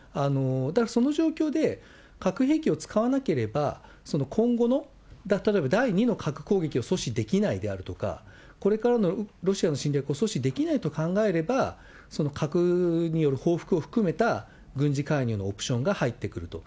だからその状況で、核兵器を使わなければ、今後の、例えば第２の核攻撃を阻止できないであるとか、これからのロシアの侵略を阻止できないと考えれば、核による報復を含めた軍事介入のオプションが入ってくると。